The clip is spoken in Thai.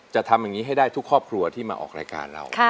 จะทำอย่างนี้ให้ได้ทุกครอบครัวที่มาออกรายการเรา